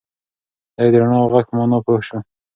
دی د رڼا او غږ په مانا پوه شو.